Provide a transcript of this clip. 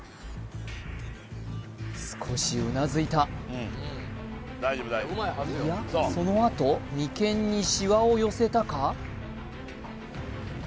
少しうなずいたいやそのあと眉間にシワを寄せたか？